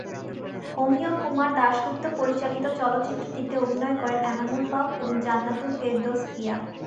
অমিয়কুমার দাশগুপ্ত পরিচালিত চলচ্চিত্রটিতে অভিনয় করেন এনামুল হক এবং জান্নাতুল ফেরদৌস পিয়া।